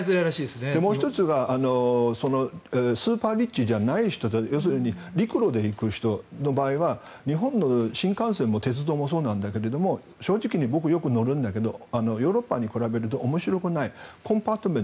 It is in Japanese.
もう１つはスーパーリッチじゃない人要するに、陸路で行く人の場合は日本の新幹線も鉄道もそうなんだけど正直、僕よく乗るんだけどヨーロッパに比べると面白くない。